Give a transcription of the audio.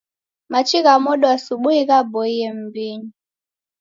Machi gha modo asubui ghaboie mumbinyi